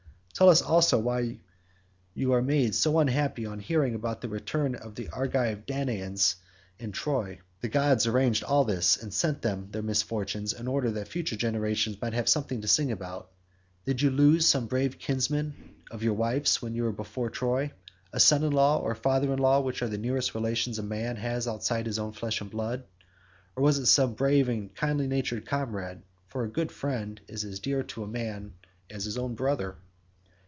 Tell us also why you are made so unhappy on hearing about the return of the Argive Danaans from Troy. The gods arranged all this, and sent them their misfortunes in order that future generations might have something to sing about. Did you lose some brave kinsman of your wife's when you were before Troy? a son in law or father in law—which are the nearest relations a man has outside his own flesh and blood? or was it some brave and kindly natured comrade—for a good friend is as dear to a man as his own brother?"